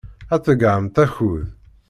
Ad tḍeyyɛemt akud.